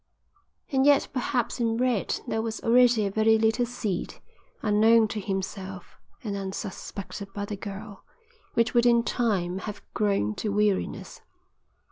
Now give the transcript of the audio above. And yet perhaps in Red there was already a very little seed, unknown to himself and unsuspected by the girl, which would in time have grown to weariness.